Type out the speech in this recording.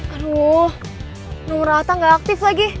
aduh nomer atta gak aktif lagi